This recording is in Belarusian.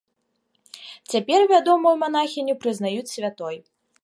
Цяпер вядомую манахіню прызнаюць святой.